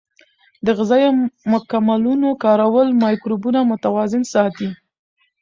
د غذایي مکملونو کارول مایکروبونه متوازن ساتي.